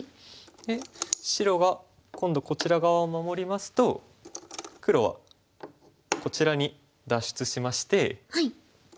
で白が今度こちら側を守りますと黒はこちらに脱出しまして。